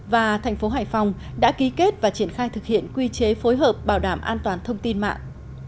và thành phố hải phòng đã ký kết và triển khai thực hiện quy chế phối hợp bảo đảm an toàn thông tin mạng